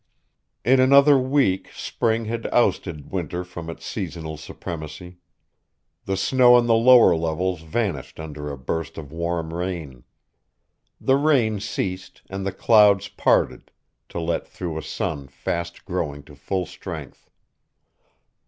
In another week spring had ousted winter from his seasonal supremacy. The snow on the lower levels vanished under a burst of warm rain. The rain ceased and the clouds parted to let through a sun fast growing to full strength.